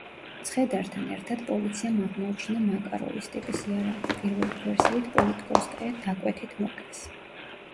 ცხედართან ერთად პოლიციამ აღმოაჩინა მაკაროვის ტიპის იარაღი, პირველი ვერსიით პოლიტკოვსკაია დაკვეთით მოკლეს.